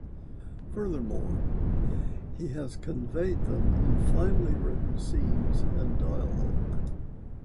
Furthermore, he has conveyed them in finely written scenes and dialogue.